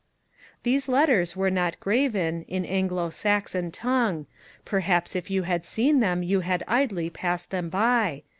These letters were not graven In Anglo Saxon tongue; Perhaps if you had seen them you had idly passed them by.